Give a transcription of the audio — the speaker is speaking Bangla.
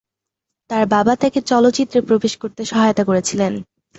তার বাবা তাকে চলচ্চিত্রে প্রবেশ করতে সহায়তা করেছিলেন।